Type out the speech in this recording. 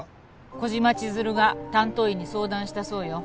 小島千鶴が担当医に相談したそうよ。